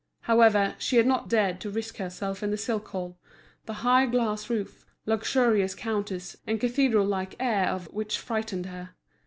However, she had not dared to risk herself in the silk hall, the high glass roof, luxurious counters, and cathedral like air of which frightened her.